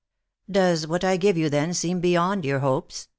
"Does what I give you, then, seem beyond your hopes?"